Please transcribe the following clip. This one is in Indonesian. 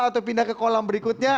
atau pindah ke kolam berikutnya